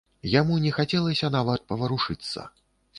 Яму не хацелася нават паварушыцца.